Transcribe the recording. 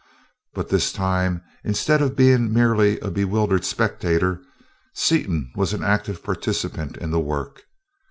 But this time, instead of being merely a bewildered spectator, Seaton was an active participant in the work.